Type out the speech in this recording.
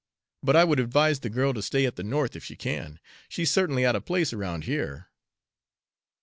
But I would advise the girl to stay at the North, if she can. She's certainly out of place around here."